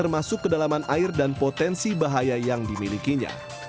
masuk kedalaman air dan potensi bahaya yang dimilikinya